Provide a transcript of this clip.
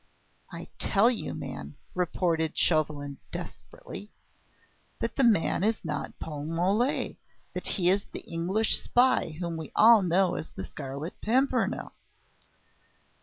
"I tell you, man," retorted Chauvelin desperately, "that the man is not Paul Mole that he is the English spy whom we all know as the Scarlet Pimpernel."